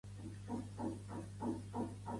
Actualment està regida per l'arquebisbe Peter Smith.